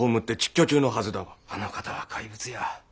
あの方は怪物や。